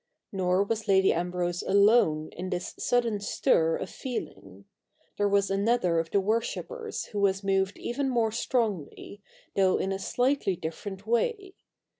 Nor was Lady Ambrose alone in this sudden stir of feel ing. There was another of the worshippers who was moved even more strongly, though in a slightly different way.